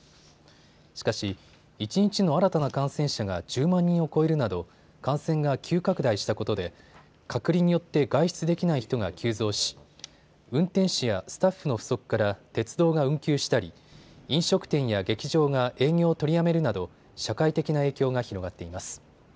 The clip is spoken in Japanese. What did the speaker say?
しかし一日の新たな感染者が１０万人を超えるなど感染が急拡大したことで隔離によって外出できない人が急増し、運転士やスタッフの不足から鉄道が運休したり、飲食店や劇場が営業を取りやめるなど社会的な影響が広がっています。